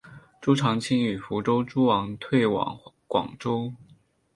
朱常清与福州诸王退往广州。